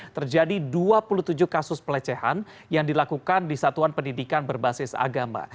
terjadi dua puluh tujuh kasus pelecehan yang dilakukan di satuan pendidikan berbasis agama